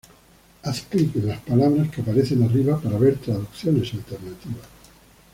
Haz clic en las palabras que aparecen arriba para ver traducciones alternativas.